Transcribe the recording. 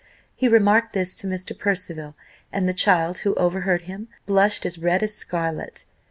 He remarked this to Mr. Percival, and the child, who overheard him, blushed as red as scarlet.